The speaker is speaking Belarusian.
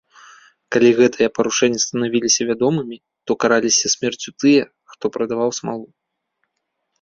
Калі гэтыя парушэнні станавіліся вядомымі, то караліся смерцю тыя, хто прадаваў смалу.